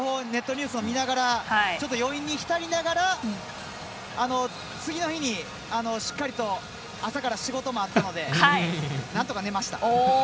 ニュースを見ながら余韻に浸りながら次の日にしっかりと朝から仕事もあったのでなんとか寝ました。